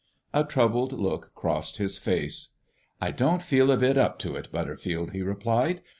A troubled look crossed his face. "I don't feel a bit up to it, Butterfield," he replied.